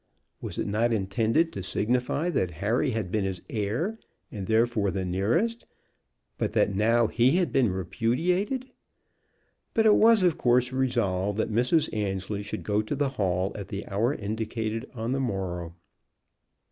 Was it not intended to signify that Harry had been his heir, and therefore the nearest; but that now he had been repudiated? But it was of course resolved that Mrs. Annesley should go to the Hall at the hour indicated on the morrow.